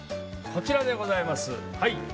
こちらでございます。